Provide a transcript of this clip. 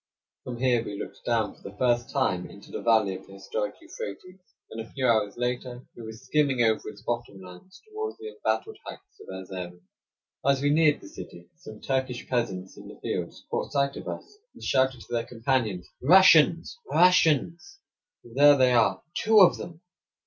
From here we looked down for the first time into the valley of the historic Euphrates, and a few hours later we were skimming over its bottom lands toward the embattled heights of Erzerum. As we neared the city, some Turkish peasants in the fields caught sight of us, and shouted to their companions: "Russians! Russians! There they are! Two of them!"